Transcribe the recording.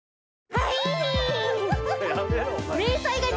はい。